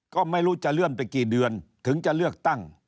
ก็ไม่รู้จะเลื่อนไปกี่เดือนถึงจะเลือกตั้ง